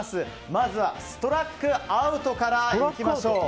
まずはストラックアウトからいきましょう。